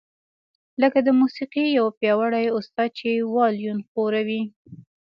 لکه د موسیقۍ یو پیاوړی استاد چې وایلون ښوروي